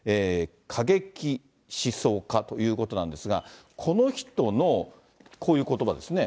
過激思想家ということなんですが、この人のこういうことばですね。